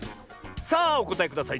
さあおこたえください。